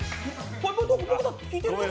僕だって聞いてるけど。